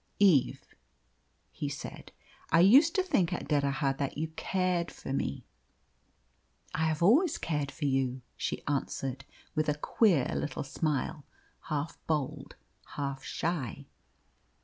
"Eve," he said, "I used to think at D'Erraha that you cared for me." "I have always cared for you," she answered, with a queer little smile, half bold, half shy.